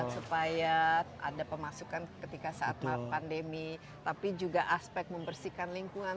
supaya ada pemasukan ketika saat pandemi tapi juga aspek membersihkan lingkungan